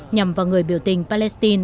nhằm vào người biểu tình palestine